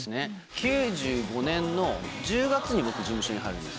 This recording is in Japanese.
９５年の１０月に僕、事務所に入ったんです。